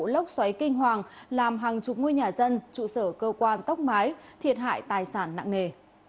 lốc xoáy kinh hoàng làm hàng chục ngôi nhà dân trụ sở cơ quan tốc mái thiệt hại tài sản nặng nề